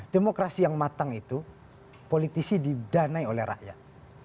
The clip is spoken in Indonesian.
demokrasi yang matang itu politisi didanai oleh rakyat